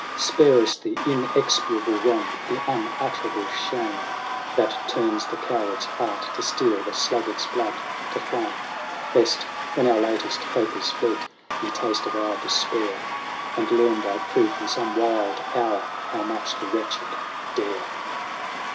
Spare us the inexpiable wrong, the unutterable shame. That turns the coward's heart to steel, the sluggard's blood to flame. VIRGINIA. 165 Lest, when our latest hope is fled, ye taste of our despair. And learn by proof, in some wild hour, how much the wretched dare."